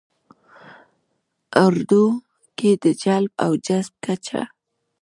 ه اردو کې د جلب او جذب کچه